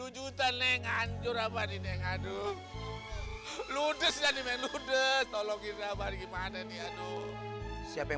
tujuh puluh juta neng anjur abadi neng aduh ludus jadi menuduh tolong kita bagi mana nih aduh siapa yang